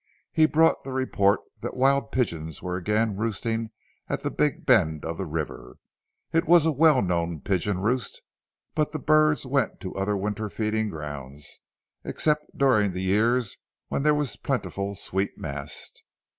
He brought the report that wild pigeons were again roosting at the big bend of the river. It was a well known pigeon roost, but the birds went to other winter feeding grounds, except during years when there was a plentiful sweet mast.